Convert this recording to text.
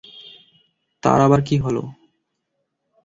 তর আবার কি হল?